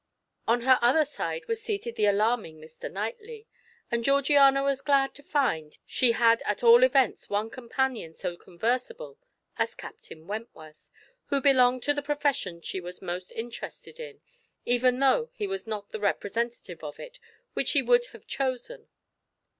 On her other side was seated the alarming Mr. Knightley, and Georgiana was glad to find she had at all events one companion so conversable as Captain Wentworth, who belonged to the profession she was most interested in, even though he was not the representative of it which she would have chosen.